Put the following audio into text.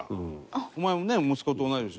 お前もね息子と同い年。